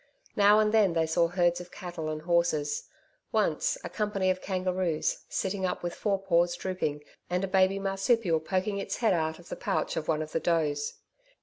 Now and then, they saw herds of cattle and horses. Once, a company of kangaroos sitting up with fore paws drooping and a baby marsupial poking its head out of the pouch of one of the does.